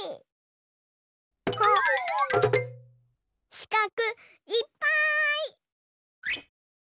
しかくいっぱい！